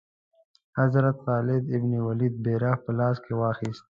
حضرت خالد بن ولید بیرغ په لاس کې واخیست.